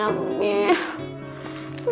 aku mau nyampe